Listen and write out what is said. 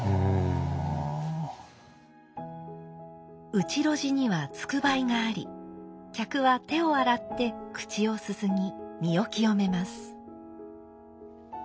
内露地にはつくばいがあり客は手を洗って口をすすぎ身を清めます。